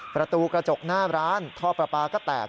ประตูกระจกหน้าร้านท่อปลาปลาก็แตก